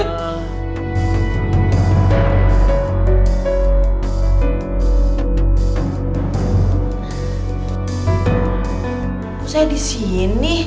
kok saya di sini